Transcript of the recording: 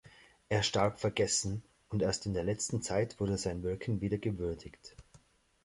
Er starb vergessen und erst in der letzten Zeit wurde sein Wirken wieder gewürdigt.